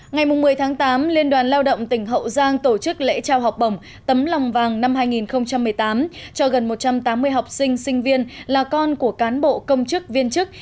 ngày một mươi tháng tám liên đoàn lao động tỉnh hậu giang tổ chức lễ trao học bổng tấm lòng vàng năm hai nghìn một mươi tám cho gần một trăm tám mươi học sinh sinh viên là con của cán bộ công chức viên chức